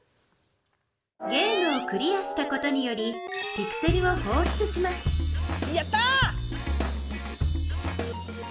ゲームをクリアしたことによりピクセルをほうしゅつしますやった！